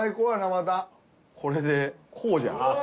またこれでこうじゃんああ